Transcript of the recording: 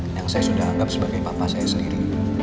yang saya sudah anggap sebagai papa saya sendiri